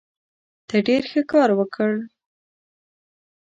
ته ډېر ښه کار وکړ.